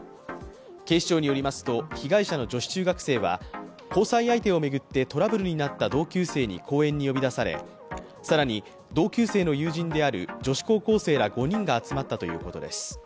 警視庁によりますと被害者の女子中学生は交際相手を巡ってトラブルになった同級生に公園に呼び出され更に同級生の友人である女子高校生ら５人が集まったということです。